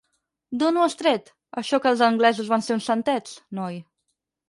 D'on ho has tret, això que els anglesos van ser uns santets, noi?